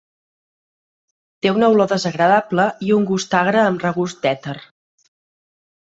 Té una olor desagradable i un gust agre amb regust d'èter.